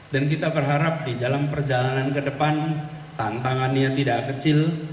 dan kita berharap di jalan perjalanan ke depan tantangannya tidak kecil